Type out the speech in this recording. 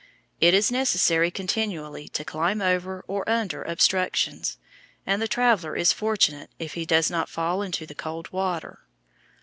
It is necessary continually to climb over or under obstructions, and the traveller is fortunate if he does not fall into the cold water.